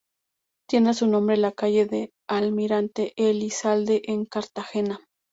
Tiene a su nombre la Calle del Almirante Elizalde, en Cartagena.